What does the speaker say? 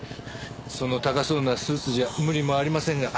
その高そうなスーツじゃ無理もありませんが。